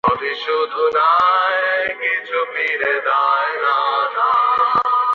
তিনি তার চাকরি ছেড়ে নিজের গ্রামে ফিরে আসেন।